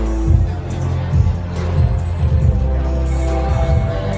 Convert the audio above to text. สโลแมคริปราบาล